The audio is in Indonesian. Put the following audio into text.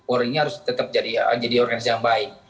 orangnya harus tetap jadi organisasi yang baik